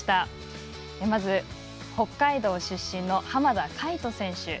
まず、北海道出身の浜田海人選手。